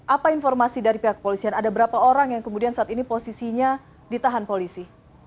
apa informasi dari pihak kepolisian ada berapa orang yang kemudian saat ini posisinya ditahan polisi